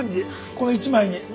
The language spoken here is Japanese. この一枚に。